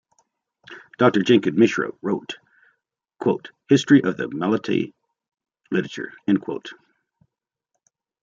Doctor Jaikant Mishra wrote "History of Maithili literature".